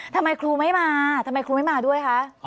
ทำไมครูไม่มาทำไมครูไม่มาด้วยคะ